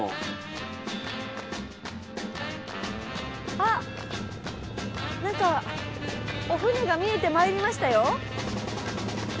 あっなんかお船が見えてまいりましたよ。